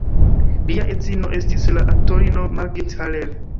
Lia edzino estis la aktorino Margit Haller.